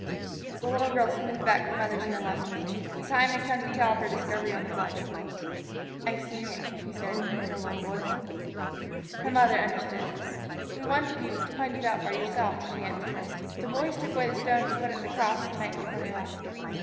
The little girl smoothed back her mother's hair lovingly. The time had come to tell of her discovery on the bluff. "I've seen it," she said in a low voice. Her mother understood. "We wanted you to find it out by yourself," she answered. "The boys took away the stones and put up the cross the night before they left."